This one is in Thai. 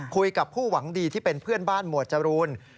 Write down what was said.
คุยกับผู้หวังดีที่เป็นเพื่อนบ้านหมวดจรูน